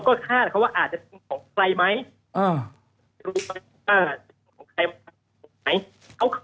ก็ค่าว่าอาจจะเป็นของใครไหมรู้ไหมว่าตรงใบมีอะไรของใครม่ะ